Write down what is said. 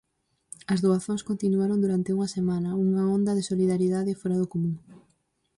As doazóns continuaron durante unha semana, nunha onda de solidariedade fóra do común.